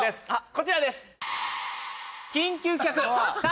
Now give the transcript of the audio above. こちらです！